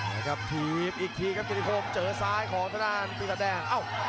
นะครับถีบอีกทีครับเกณฑิคมเจอซ้ายของทางด้านปีศาจแดง